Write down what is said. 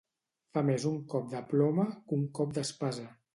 Fa més un cop de ploma que un cop d'espasa.